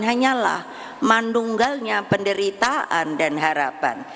hanyalah mandunggalnya penderitaan dan harapan